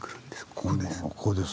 ここです。